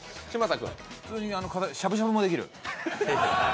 普通にしゃぶしゃぶもできる？